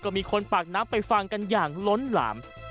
ก็มีคนปากน้ำไปฟังกันอย่างล้นหลาม